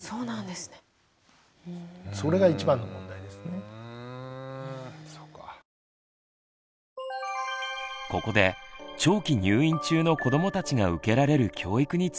ここで長期入院中の子どもたちが受けられる教育についてご覧頂きます。